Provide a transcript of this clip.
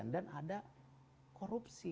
dan ada korupsi